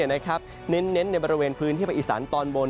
เน้นในบริเวณพื้นที่ภาคอีสานตอนบน